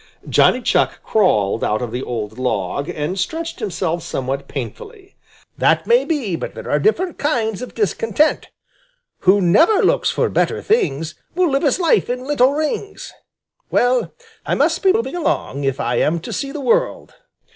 Johnny Chuck crawled out of the old log and stretched himself somewhat painfully. "That may be, but there are different kinds of discontent. Who never looks for better things Will live his life in little rings. Well, I must be moving along, if I am to see the world."